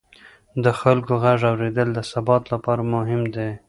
د خلکو غږ اورېدل د ثبات لپاره مهم دي